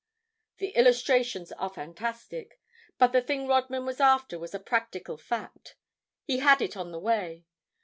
The illustrations are fantastic. But the thing Rodman was after was a practical fact. He had it on the way.